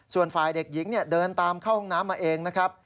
ส่วนฝ่ายเด็กหญิงเดินตามเข้าห้องน้ำมาเองนะครับ